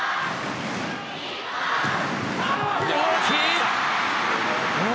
大きい。